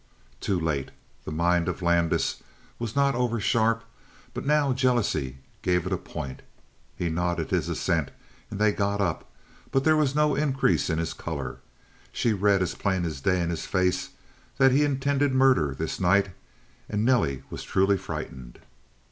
Too late. The mind of Landis was not oversharp, but now jealousy gave it a point. He nodded his assent, and they got up, but there was no increase in his color. She read as plain as day in his face that he intended murder this night and Nelly was truly frightened.